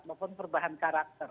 maupun perubahan karakter